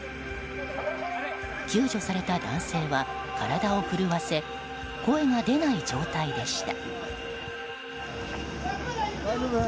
救助された男性は体を震わせ声が出ない状態でした。